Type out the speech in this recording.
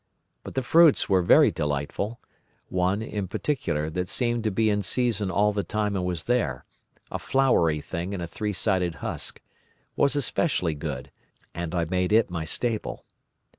But the fruits were very delightful; one, in particular, that seemed to be in season all the time I was there—a floury thing in a three sided husk—was especially good, and I made it my staple.